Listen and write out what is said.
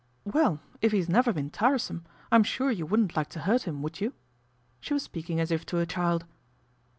" Well, if he's never been tiresome I'm sure you wouldn't like to hurt him, would you ?" She was speaking as if to a child.